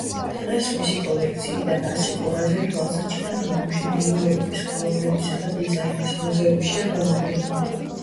დღეს მისი კოლექციიდან ასი ყველაზე თვალსაჩინო ნიმუში ნიუ-იორკის ხელოვნებისა და დიზაინის მუზეუმშია გამოფენილი.